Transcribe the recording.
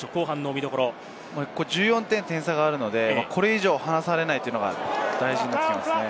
１４点、点差があるので、これ以上離されないというのが大事になってきますね。